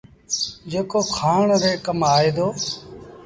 جيڪو کآڻ ري ڪم آئي دو۔